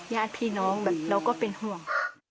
ญาติพี่น้องแบบเราก็เป็นห่วง